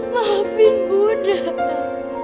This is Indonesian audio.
maafin bunda nak